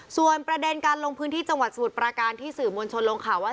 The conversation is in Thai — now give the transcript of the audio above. ส่วนประเด็นการลงพื้นที่จังหวัดสมุทรประการที่สื่อมวลชนลงข่าวว่า